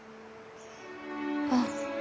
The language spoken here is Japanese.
あっ。